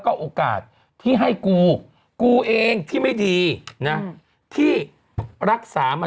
ขอบคุณมากครับ